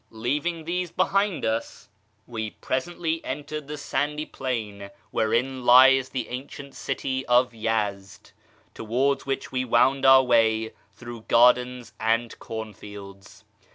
Leaving these behind us, we presently 362 A YEAR AMONGST THE PERSIANS entered tlie sandy plain wlierein lies the ancient city of Yezd, towards which we wound our way througli gardens and corn fields.